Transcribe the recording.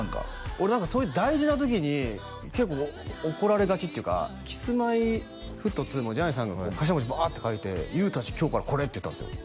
俺何かそういう大事な時に結構怒られがちっていうかＫｉｓ−Ｍｙ−Ｆｔ２もジャニーさんが頭文字バーッて書いて「ＹＯＵ達今日からこれ」って言ったんですよ